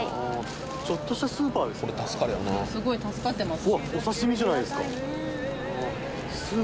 すごい助かってます。